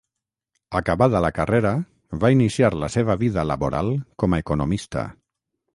Acabada la carrera va iniciar la seva vida laboral com a economista.